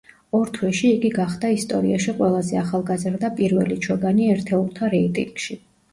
ორ თვეში იგი გახდა ისტორიაში ყველაზე ახალგაზრდა პირველი ჩოგანი ერთეულთა რეიტინგში.